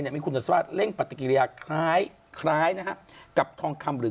สถานีผลภาพคล้ายกับทองคำ